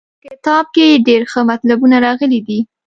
زموږ په کتاب کې ډېر ښه مطلبونه راغلي دي.